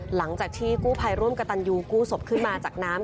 หลังจากที่กู้ภัยร่วมกับตันยูกู้ศพขึ้นมาจากน้ำ